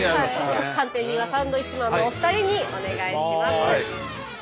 判定人はサンドウィッチマンのお二人にお願いします。